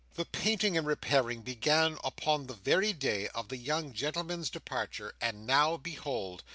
The painting and repairing began upon the very day of the young gentlemen's departure, and now behold!